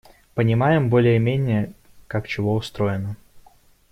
Понимаем более-менее, как чего устроено.